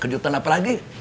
kejutan apa lagi